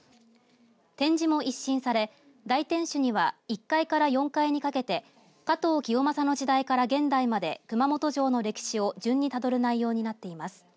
展示も一新され、大天守には１階から４階にかけて加藤清正の時代から現代まで熊本城の歴史を順にたどる内容になっています。